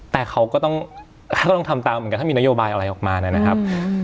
แต่เขาก็ต้องทำตามเหมือนกันถ้ามีนโยบายอะไรออกมานะครับ